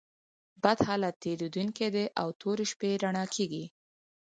بد حالت تېرېدونکى دئ او توري شپې رؤڼا کېږي.